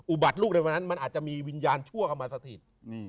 บัติลูกในวันนั้นมันอาจจะมีวิญญาณชั่วเข้ามาสถิต